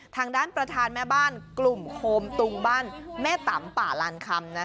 ทางด้านประธานแม่บ้านกลุ่มโคมตุงบ้านแม่ตำป่าลานคำ